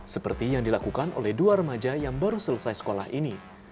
seperti yang dilakukan oleh dua remaja yang baru selesai sekolah ini